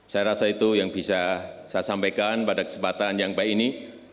saya rasa itu yang bisa saya sampaikan pada kesempatan yang baik ini